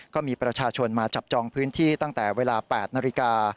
ก็มีประชาชนมาจับจองพื้นที่ตั้งแต่เวลา๘นาฬิกา